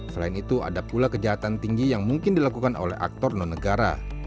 selain itu ada pula kejahatan tinggi yang mungkin dilakukan oleh aktor non negara